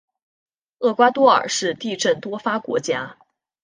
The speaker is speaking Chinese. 厄瓜多尔是地震多发国家。